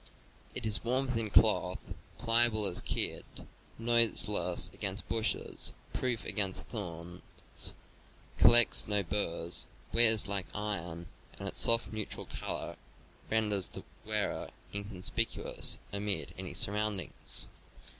It is warmer than cloth, pliable as kid, noiseless against bushes, proof against thorns, collects no burs, wears like iron and its soft neutral color renders the wearer inconspicuous amid any surroundings.